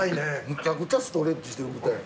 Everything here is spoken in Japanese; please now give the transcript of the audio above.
むちゃくちゃストレッチしてる豚や。